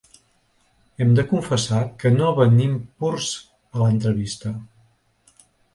Hem de confessar que no venim purs a l’entrevista.